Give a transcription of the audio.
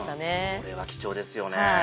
これは貴重ですよね。